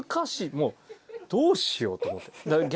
もうどうしようと思って。